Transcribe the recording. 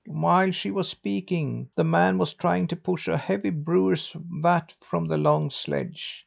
"While she was speaking the man was trying to push a heavy brewer's vat from the long sledge.